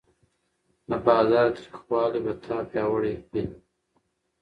د بازار تریخوالی به تا پیاوړی کړي.